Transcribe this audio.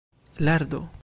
lardo